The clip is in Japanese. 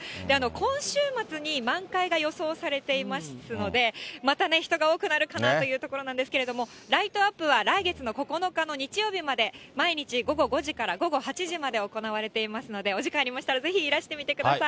今週末に満開が予想されていますので、またね、人が多くなるかなというところなんですけど、ライトアップは来月の９日の日曜日まで、毎日午後５時から午後８時まで行われていますので、お時間ありましたら、ぜひいらしてみてください。